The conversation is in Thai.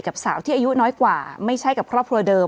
สาวที่อายุน้อยกว่าไม่ใช่กับครอบครัวเดิม